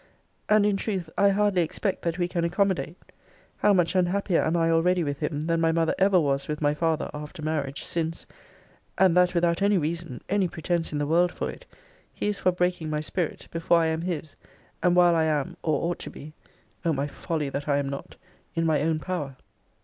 And, in truth, I hardly expect that we can accommodate. How much unhappier am I already with him than my mother ever was with my father after marriage! since (and that without any reason, any pretence in the world for it) he is for breaking my spirit before I am his, and while I am, or ought to be [O my folly, that I am not!] in my own power.